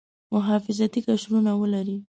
محافظتي قشرونه ولري.